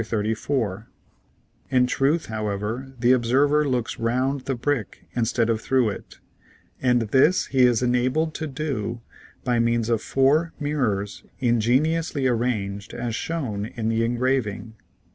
34. LOOKING THROUGH A SOLID BRICK 159 In truth, however, the observer looks round the brick instead of through it, and this he is enabled to do by means of four mirrors ingeniously arranged as shown in the en graving.